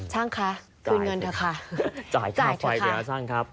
ช่างค่ะคืนเงินเถอะค่ะจ่ายเถอะค่ะจ่ายค่าไฟไปแล้วช่างครับ